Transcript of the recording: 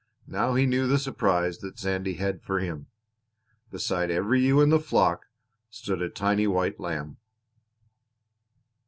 Now he knew the surprise that Sandy had for him! Beside every ewe in the flock stood a tiny white lamb!